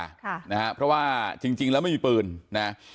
ค่ะนะฮะเพราะว่าจริงจริงแล้วไม่มีปืนนะ